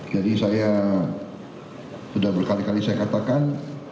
jadi saya sudah berkali kali saya katakan